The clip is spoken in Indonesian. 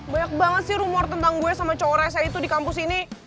banyak banget sih rumor tentang gue sama core saya itu di kampus ini